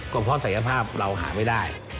ก็คือคุณอันนบสิงต์โตทองนะครับ